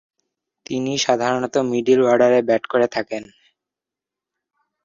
তিনি সাধারণত মিডল অর্ডারে ব্যাট করে থাকেন।